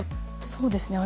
そうですね